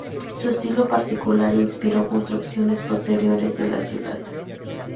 Su estilo particular inspiró construcciones posteriores de la ciudad.